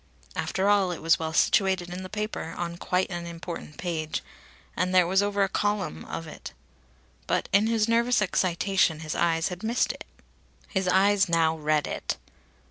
After all, it was well situated in the paper, on quite an important page, and there was over a column of it. But in his nervous excitation his eyes had missed it. His eyes now read it.